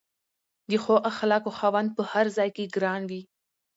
د ښو اخلاقو خاوند په هر ځای کې ګران وي.